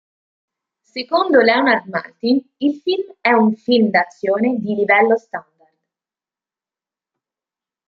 Secondo Leonard Maltin il film è un "film d'azione di livello standard".